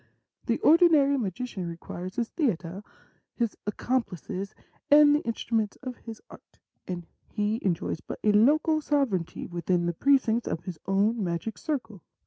The ordinary magician requires his theatre, his accom plices,, and the instruments of his art, and he enjoys but a local sovereignty within the precincts of his own magic circle.